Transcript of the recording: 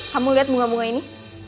kamu lihat bunga bunga ini